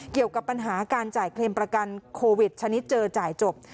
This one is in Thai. เกี่ยวกับปัญหาการจ่ายเคลมประกันโควิดชนิดเจอจ่ายจบ